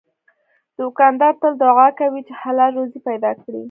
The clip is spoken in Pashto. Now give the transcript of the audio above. دوکاندار تل دعا کوي چې حلال روزي پیدا کړي.